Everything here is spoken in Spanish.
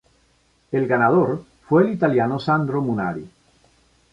El ganador fue el italiano Sandro Munari.